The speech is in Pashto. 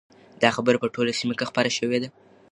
دا خبره په ټوله سیمه کې خپره شوې ده.